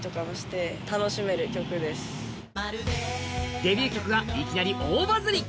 デビュー曲がいきなり大バズり。